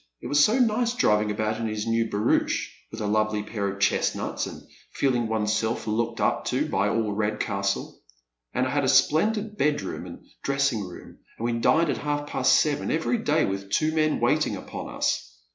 It was so nice driving about in his new barouche, with a lovely pair of chestnuts, and feeling one's self looked up to by all Redcastle ; and I had a splendid bedroom and dressing room, and we dined at half past seven every day, with two men waiting upon us.